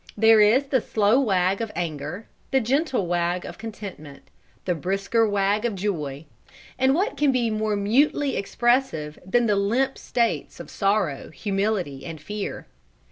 There is the slow wag of anger; the gentle wag of contentment; the brisker wag of joy: and what can be more mutely expressive than the limp states of sorrow, humility, and fear?